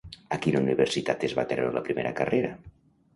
A quina universitat es va treure la primera carrera?